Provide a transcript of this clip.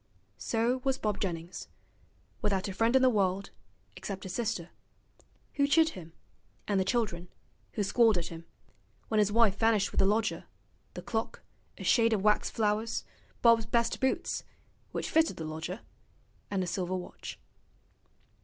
So was Bob Jennings: without a friend in the world, except his sister, who chid him, and the children, who squalled at him: when his wife vanished with the lodger, the clock, a shade of wax flowers, Bob's best boots (which fitted the lodger), and his silver watch.